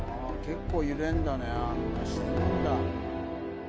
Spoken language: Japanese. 結構揺れんだねあんな沈むんだ。